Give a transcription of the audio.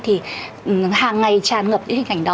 thì hàng ngày tràn ngập những hình ảnh đó